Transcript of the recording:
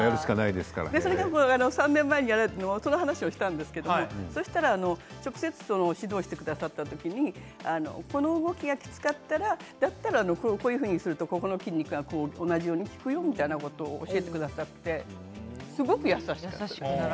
３年前にその話をしたんですけどそうしたら直接指導してくださった時にこの動きがきつかったらこういうふうにするとこの筋肉が同じように効くよと教えてくださってすごい優しかったです。